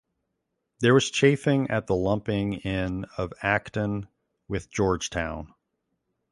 There was chafing at the lumping in of Acton with Georgetown.